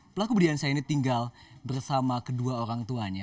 pelaku budi ansyah ini tinggal bersama kedua orang tuanya